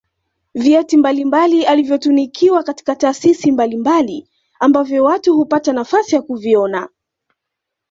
vyeti mbalimbali alivyotunikiwa kutoka taasisi mbalimbali ambavyo watu hupata nafasi ya kuviona